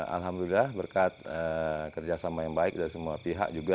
alhamdulillah berkat kerjasama yang baik dari semua pihak juga